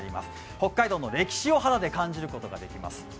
北海道の歴史を肌で感じることができます。